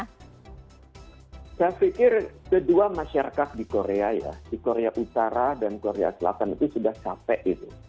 saya pikir kedua masyarakat di korea ya di korea utara dan korea selatan itu sudah capek gitu